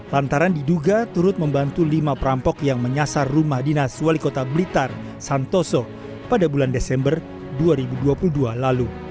lantaran diduga turut membantu lima perampok yang menyasar rumah dinas wali kota blitar santoso pada bulan desember dua ribu dua puluh dua lalu